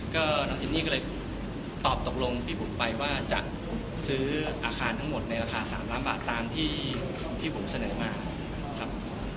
ก็น้องจินนี่ก็เลยตอบตกลงพี่บุ๋มไปว่าจะซื้ออาคารทั้งหมดในราคา๓ล้านบาทตามที่พี่บุ๋มเสนอมาครับ